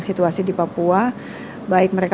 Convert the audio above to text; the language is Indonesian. situasi di papua baik mereka